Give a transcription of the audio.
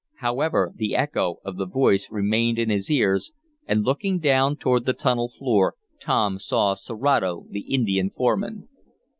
However, the echo of the voice remained in his ears, and, looking down toward the tunnel floor Tom saw Serato, the Indian foreman.